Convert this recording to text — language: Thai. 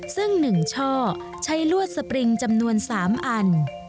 ซึ่ง๑ช่อใช้ลวดสปริงจำนวน๓อัน